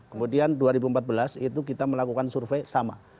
kemudian dua ribu empat belas itu kita melakukan survei sama